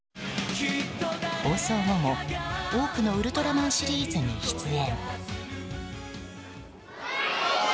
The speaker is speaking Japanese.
放送後も多くの「ウルトラマン」シリーズに出演。